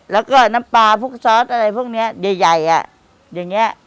แล้วก็น้ำปลาพวกซอสอะไรพวกนี้ใหญ่อย่างนี้